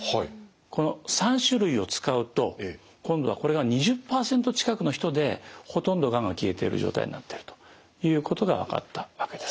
この３種類を使うと今度はこれが２０％近くの人でほとんどがんが消えている状態になっているということが分かったわけです。